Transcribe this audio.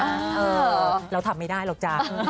เออเราทำไม่ได้หรอกจ้ะ